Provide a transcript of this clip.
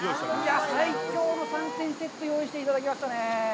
いやぁ、最強の３点セット、用意していただきましたね。